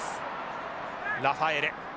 ラファエレ。